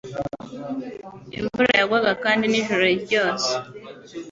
Imvura yagwaga kandi ijoro ryose.